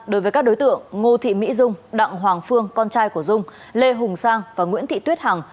đối với các đối tượng ngô thị mỹ dung đặng hoàng phương con trai của dung lê hùng sang và nguyễn thị tuyết hằng